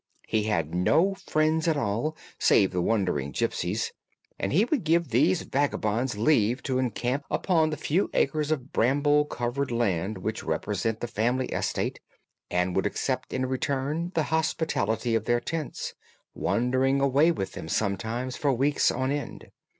He had no friends at all save the wandering gipsies, and he would give these vagabonds leave to encamp upon the few acres of bramble covered land which represent the family estate, and would accept in return the hospitality of their tents, wandering away with them sometimes for weeks on end.